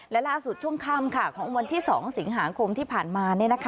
และล่าสุดช่วงค่ำของวันที่๒สิงหาคมที่ผ่านมา